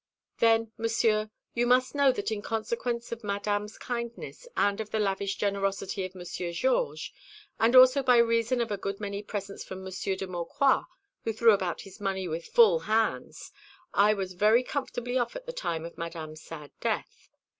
"Then, Monsieur, you must know that in consequence of Madame's kindness and of the lavish generosity of Monsieur Georges, and also by reason of a good many presents from Monsieur de Maucroix, who threw about his money with full hands, I was very comfortably off at the time of Madame's sad death.